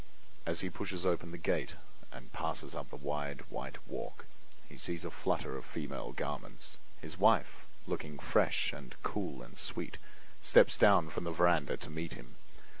As he pushes open the gate and passes up the wide white walk, he sees a flutter of female garments; his wife, looking fresh and cool and sweet, steps down from the veranda to meet him.